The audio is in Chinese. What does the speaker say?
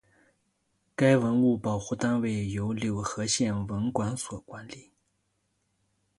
该文物保护单位由柳河县文管所管理。